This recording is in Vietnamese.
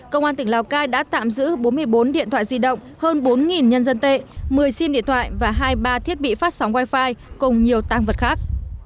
công an tỉnh lào cai đã tạm giữ bốn mươi bốn điện thoại di động hơn bốn nhân dân tệ một mươi sim điện thoại và hai mươi ba thiết bị phát sóng wifi cùng nhiều tăng vật khác